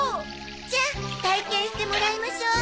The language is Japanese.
じゃあ体験してもらいましょう。